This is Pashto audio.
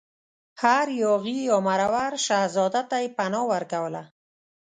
هر یاغي یا مرور شهزاده ته یې پناه ورکوله.